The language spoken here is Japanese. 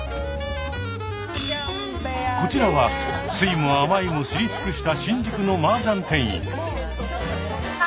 こちらは酸いも甘いも知り尽くした新宿のマージャン店員。